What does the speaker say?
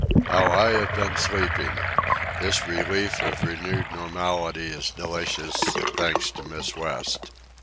How I have been sleeping! This relief of renewed normality is delicious—thanks to Miss West.